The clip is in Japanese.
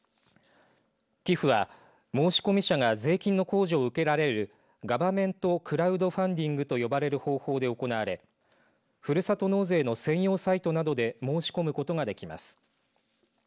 寄付は、申し込み者が税金の控除を受けられるガバメントクラウドファンディングと呼ばれる方法で行われふるさと納税の専用サイトなどで申し込むことができます。